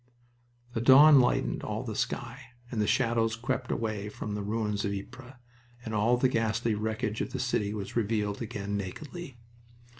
The dawn lightened all the sky, and the shadows crept away from the ruins of Ypres, and all the ghastly wreckage of the city was revealed again nakedly.